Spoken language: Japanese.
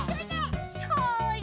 それ！